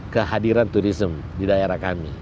kehadiran turisme di daerah kami